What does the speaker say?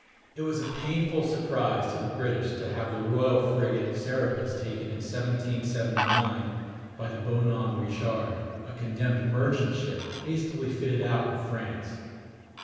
It was a painful surprise to the British to have the royal frigate Serapis taken in 1779 by the Bonhomme (Bo nom) Richard, a condemned merchant ship hastily fitted out in France.